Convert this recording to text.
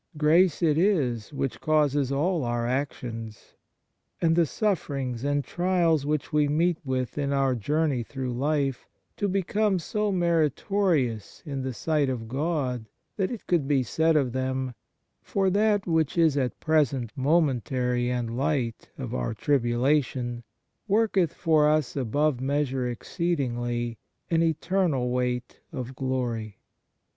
Grace it is which causes all our actions, and the sufferings and trials which we meet with in our journey through life, to become so meritorious in the sight of God that it could be said of them : For that which is at present momentary and light of our tribulation, worketh for us above measure exceedingly an eternal weight of glory."